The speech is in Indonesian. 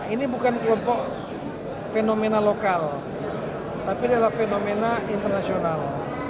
ini bukan kelompok fenomena lokal tapi adalah fenomena internasional